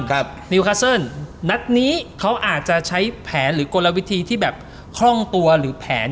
ดังนั้นนัดนี้เขาอาจจะใช้แผนของตัวหรือแผน